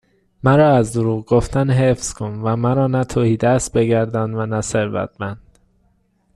مرا از دروغ گفتن حفظ کن و مرا نه تهیدست بگردان و نه ثروتمند